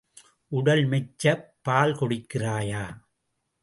உடல் மெச்சப் பால் குடிக்கிறாயா?